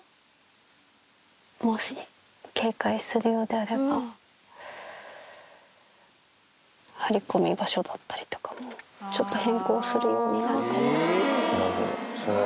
もし警戒するようであれば、張り込み場所だったりとかも、ちょっと変更するようになるかも。